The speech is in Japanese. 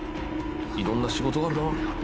「色んな仕事があるな」